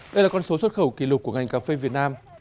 đây là con số xuất khẩu kỷ lục của ngành cà phê việt nam